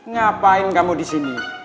ngapain kamu disini